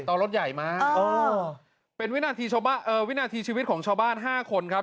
ตอนรถใหญ่มาอ๋อเป็นวินาทีชาวบ้านเออวินาทีชีวิตของชาวบ้าน๕คนครับ